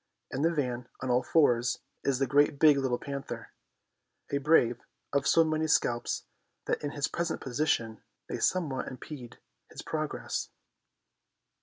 In the van, on all fours, is Great Big Little Panther, a brave of so many scalps that in his present position they somewhat impede his progress.